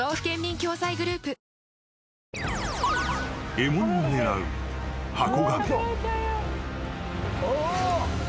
［獲物を狙うハコガメ］